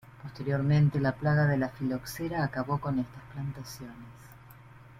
Posteriormente, la plaga de la filoxera acabó con estas plantaciones.